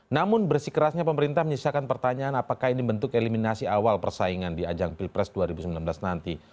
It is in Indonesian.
namun bersikerasnya pemerintah menyisakan pertanyaan apakah ini bentuk eliminasi awal persaingan di ajang pilpres dua ribu sembilan belas nanti